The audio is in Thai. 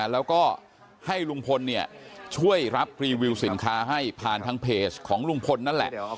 แล้วก็ให้ลุงพลช่วยรับรีวิวสินค้าให้ผ่านทางเพจของลุงพลนั่นแหละ